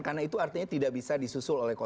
karena itu artinya tidak bisa disusul oleh